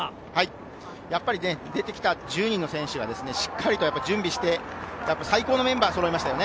やっぱり１０人の選手がしっかりと準備して、最高のメンバーがそろいましたね。